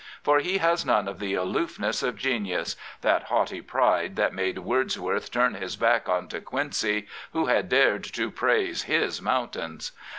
For he has none of the aloofness of genius — that haughty pride that made Wordsworth turn his back on De Quincey, who had dared to praise his mountains.